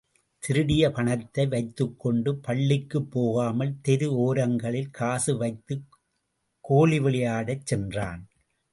திருடிய பணத்தை வைத்துக் கொண்டு பள்ளிக்குப் போகாமல் தெரு ஓரங்களில் காசு வைத்து கோலி விளையாடச் சென்றான்.